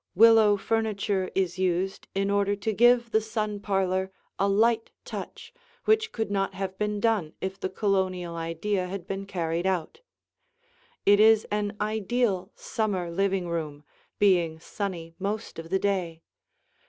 Willow furniture is used in order to give the sun parlor a light touch which could not have been done if the Colonial idea had been carried out. It is an ideal summer living room, being sunny most of the day.